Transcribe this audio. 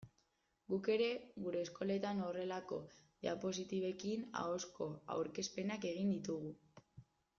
Guk ere gure eskoletan horrelako diapositibekin ahozko aurkezpenak egin ditugu.